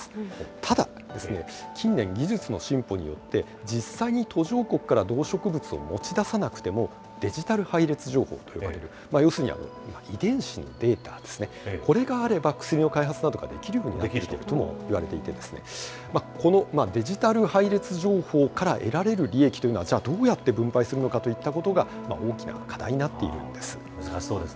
ただですね、近年、技術の進歩によって、実際に途上国から動植物を持ち出さなくても、デジタル配列情報と呼ばれる、要するに、遺伝子のデータですね、これがあれば、薬の開発などができるようになったともいわれていまして、このデジタル配列情報から得られる利益というのは、じゃあ、どうやって分配するのかといったことが、大きな課題になっているんです。